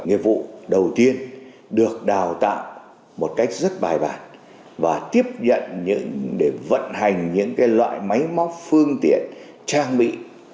nghiệp vụ đầu tiên được đào tạo một cách rất bài bản và tiếp nhận để vận hành những loại máy móc phương tiện trang bị